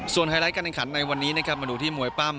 ส่วนไฮไลท์การแข่งขันในวันนี้มาดูที่มวยปั้ม